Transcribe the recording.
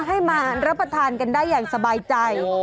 ให้มารับประทานกันได้อย่างสบายใจ